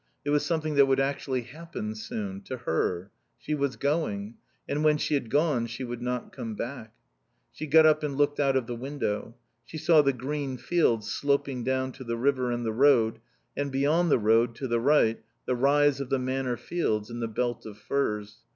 It was something that would actually happen soon. To her. She was going. And when she had gone she would not come back. She got up and looked out of the window. She saw the green field sloping down to the river and the road, and beyond the road, to the right, the rise of the Manor fields and the belt of firs.